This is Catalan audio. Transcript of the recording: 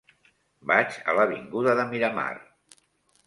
Vaig a l'avinguda de Miramar.